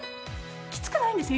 きつくないんですよ